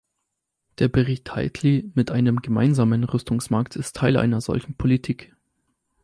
Der Bericht Titley mit einem gemeinsamen Rüstungsmarkt ist Teil einer solchen Politik.